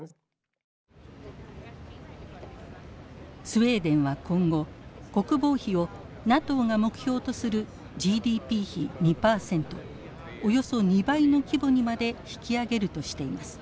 スウェーデンは今後国防費をＮＡＴＯが目標とするＧＤＰ比２％およそ２倍の規模にまで引き上げるとしています。